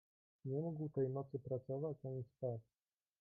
"Nie mógł tej nocy pracować ani spać."